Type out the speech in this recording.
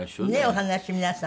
お話皆さん。